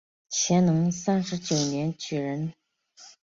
乾隆三十九年举人。